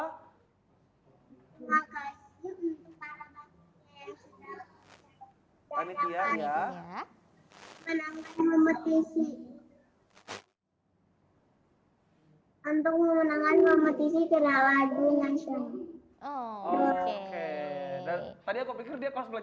terima kasih untuk para pemenang yang sudah menonton